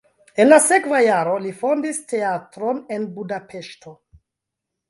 En la sekva jaro li fondis teatron en Budapeŝto.